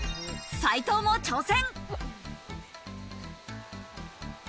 斉藤も挑戦。